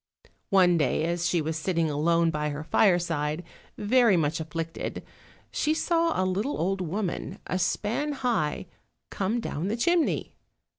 One day as she was sitting alone by her fireside, very much afflicted, she saw a little old woman, a span high, come down the chimney.